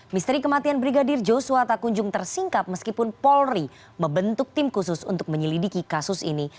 misteri kematian brigadir joshua tak kunjung tersingkap meskipun polri membentuk tim khusus untuk menyelidiki kasus ini